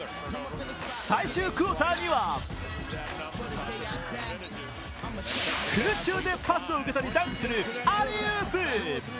最終クォーターには空中でパスを受けとりダンクするアリウープ。